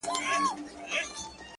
• زما د آه جنازه څه سوه؟ ,